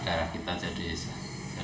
terus kita bisa menjaga kemampuan